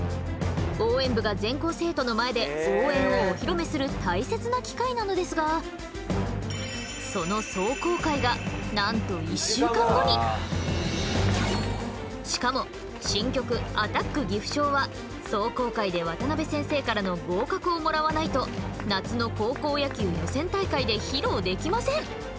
応援部が全校生徒の前で応援をお披露目する大切な機会なのですがその壮行会がなんとしかも新曲「アタック岐阜商」は壮行会で渡邉先生からの合格をもらわないと夏の高校野球予選大会で披露できません。